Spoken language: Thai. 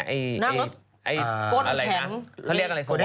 ไหนน่ะเธอเรียกอะไร